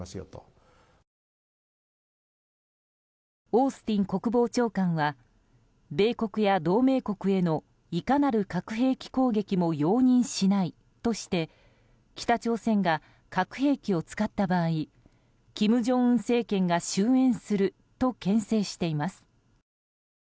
オースティン国防長官は米国や同盟国へのいかなる核兵器攻撃も容認しないとして北朝鮮が核兵器を使った場合金正恩政権が終焉すると牽制しています。